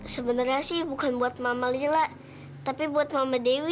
sebenarnya sih bukan buat mama lila tapi buat mama dewi